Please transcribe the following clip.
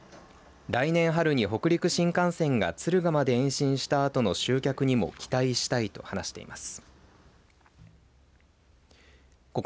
来年春に北陸新幹線が敦賀まで延伸したあとの集客にも期待したいと話しています。